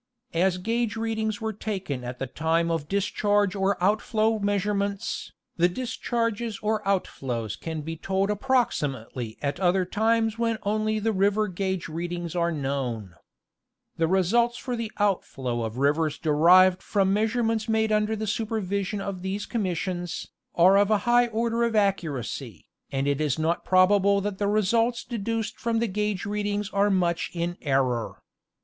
As gauge readings were taken at the time of dis charge or outflow measuremerts, the discharges or outflows can be told approximately at other times when only the river gauge 'readings are known, The results for the outflow of rivers derived from measurements made under the supervision of these commissions, are of a high order of accuracy, and it is not prob able that the results deduced from the gauge readings are much in error.